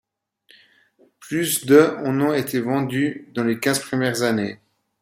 Plus de en ont été vendus dans les quinze premières années.